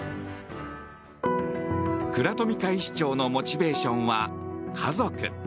倉富海士長のモチベーションは家族。